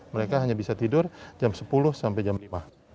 mereka hanya bisa tidur jam sepuluh sampai jam lima